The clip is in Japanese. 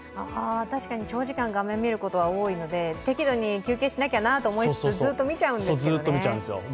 確かに長時間、画面見ることは多いので適度に休憩しなきゃなと思いつつずっと見ちゃうんですけどね。